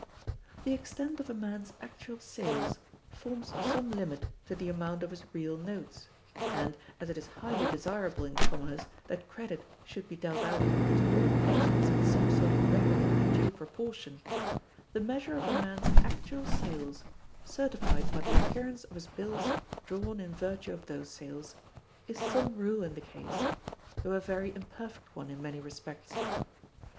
The extent of a man's actual sales forms some limit to the amount of his real notes; and, as it is highly desirable in commerce that credit should be dealt out to all persons in some sort of regular and due proportion, the measure of a man's actual sales, certified by the appearance of his bills drawn in virtue of those sales, is some rule in the case, though a very imperfect one in many respects.